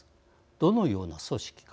どのような組織か。